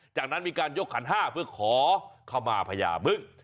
จากนั้นมีการยกขันห้าเพื่อขอขมาพญาบึ้ง